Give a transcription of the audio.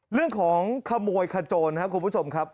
เรื่องของขโมยขโจรครับคุณผู้ชมครับ